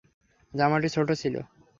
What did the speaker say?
জামাটি ছোট ছিল।